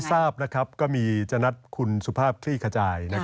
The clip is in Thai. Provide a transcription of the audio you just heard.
ทราบก็มีจะนัดคุณสุภาพคลี่ขจาย